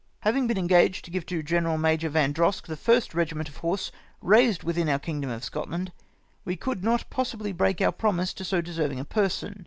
" Having been engaged to give to Greneral Major Vandrosk the first regiment of horse raised within om* kingdom of Scotland, we could not possibly break our promise to so deserving a person.